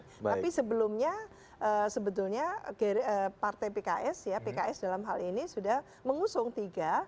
tapi sebelumnya sebetulnya partai pks ya pks dalam hal ini sudah mengusung tiga